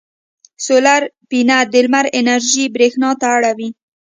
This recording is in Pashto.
سولر پینل د لمر انرژي برېښنا ته اړوي.